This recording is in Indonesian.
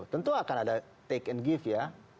tentu akan ada take and give ya